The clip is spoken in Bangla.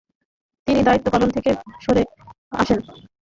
তিনি দায়িত্ব পালন থেকে সড়ে আসেন।